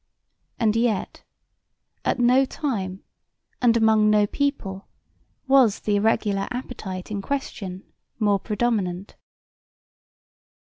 And yet at no time and among no people was the irregular appetite in question more predominant.